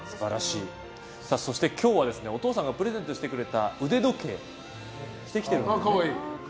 そして今日はお父さんがプレゼントしてくれた腕時計をしてきてくれているんですね。